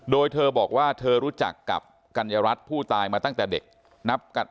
โดยเธอบอกว่าเธอรู้จักกับกัญญารัฐผู้ตายมาตั้งแต่เด็กนับกัน